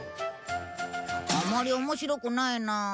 あまり面白くないなあ。